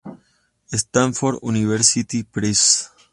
Stanford University Press.